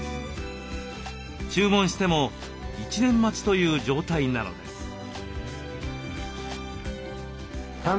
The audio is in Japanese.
注文しても１年待ちという状態なのです。